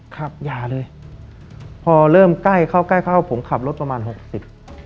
ครับอย่าเลยพอเริ่มใกล้เข้าใกล้เข้าผมขับรถประมาณหกสิบ